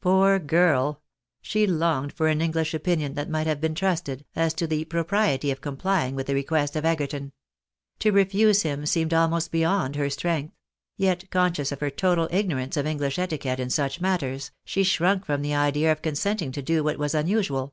Poor girl ! She longed for an English opinion that might have been trusted, as to the propriety of complying with the request of Egerton. To refuse him seemed almost beyond her strength ; yet, conscious of her total ignorance of English etiquette in such matters, she shrunk from the idea of consenting to do what was unusual.